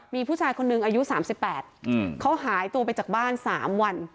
มีผู้ชายคนหนึ่งอายุ๓๘เขาหายตัวไปจากบ้าน๓วัน